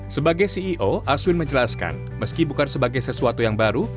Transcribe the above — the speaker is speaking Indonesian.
sebagai ceo aswin menjelaskan meski bukan sebagai sesuatu yang baru